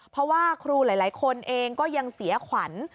เพราะว่าครูหลายคนเองก็ยังเสียขวัญ